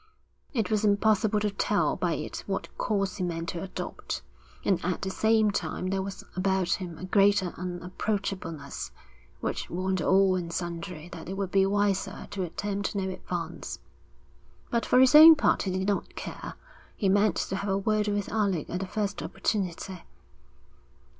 It was impossible to tell by it what course he meant to adopt; and at the same time there was about him a greater unapproachableness, which warned all and sundry that it would be wiser to attempt no advance. But for his own part he did not care; he meant to have a word with Alec at the first opportunity.